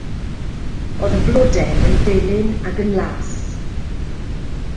O'dd y blode yn felyn ac yn las.